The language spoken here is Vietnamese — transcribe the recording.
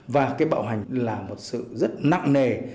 và cái bạo hành là một sự rất nặng nề